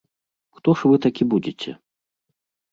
Хто ж вы такі будзеце?